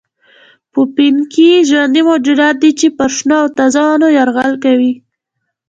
پوپنکي ژوندي موجودات دي چې پر شنو او تازه ونو یرغل کوي.